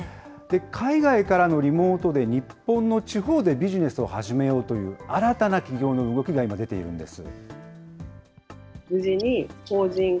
海外からのリモートで、日本の地方でビジネスを始めようという、新たな起業の動きが今、出ているんです。